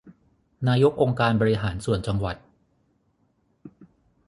นายกองค์การบริหารส่วนจังหวัด